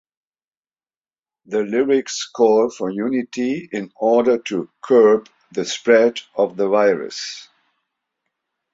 The lyrics call for unity in order to curb the spread of the virus.